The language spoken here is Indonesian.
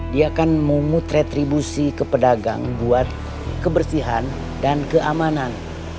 dia kan mau mutretribusi ke pedagang buat kebersihan dan keamanan